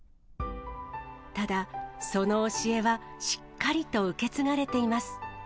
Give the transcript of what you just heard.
ただ、その教えはしっかりと受け継がれています。